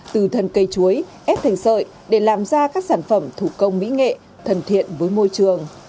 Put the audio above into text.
từ thần cây chuối ép thành sợi để làm ra các sản phẩm thủ công mỹ nghệ thân thiện với môi trường